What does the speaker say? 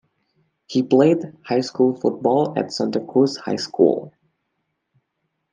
He played high school football at Santa Cruz High School.